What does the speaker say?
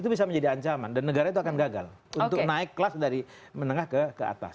itu bisa menjadi ancaman dan negara itu akan gagal untuk naik kelas dari menengah ke atas